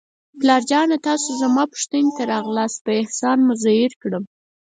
پلار جانه، تاسو زما پوښتنې ته راغلاست، په احسان مې زیر کړم.